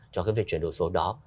cho cái việc chuyển đổi số đó